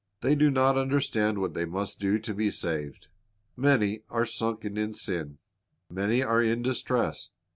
They do not understand what they must do to be saved. Many are sunken in sin. Many are in distress.